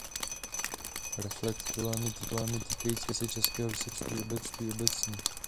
Reflektuje i problémy týkající se českého vysokého školství obecně.